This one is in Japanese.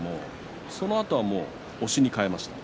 そのあと押しに変えました。